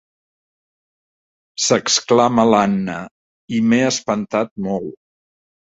S'exclama l'Anna— i m'he espantat molt.